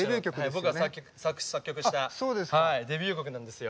僕が作詞・作曲したデビュー曲なんですよ。